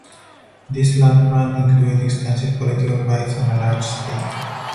This land grant included extensive political rights and a large estate.